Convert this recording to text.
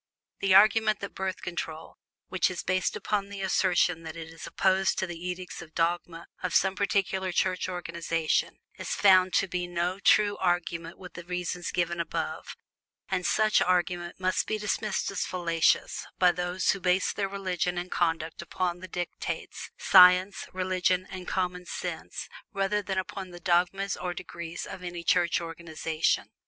The argument that Birth Control which is based upon the assertion that it is opposed to the edicts or dogmas of some particular Church organization, is found to be no true argument for the reasons given above; and such argument must be dismissed as fallacious by those who base their judgments and conduct upon the dictates of science, reason, and common sense, rather than upon the dogmas or decrees of any Church organization.